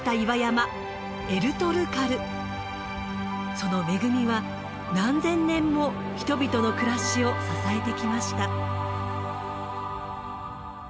その恵みは何千年も人々の暮らしを支えてきました。